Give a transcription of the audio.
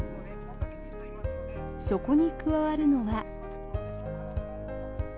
そこに加わるのは。